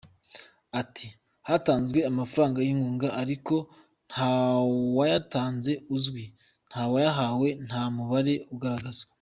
Ati hatanzwe amafranga y’inkunga, ariko ntawayatanze uzwi, ntawayahawe, nta mubare ugaragazwa!